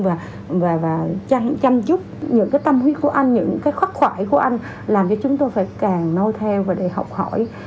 và chăm chúc những cái tâm huyết của anh những cái khắc khoải của anh làm cho chúng tôi phải càng nôi theo và để học hỏi